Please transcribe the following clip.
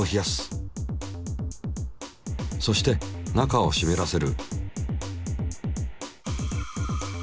そして中をしめらせる。